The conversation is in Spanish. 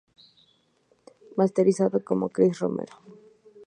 Masterizado por Cris Romero.